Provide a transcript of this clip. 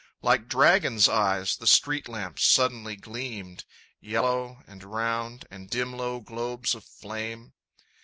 Like dragons' eyes the street lamps suddenly gleamed, Yellow and round and dim low globes of flame.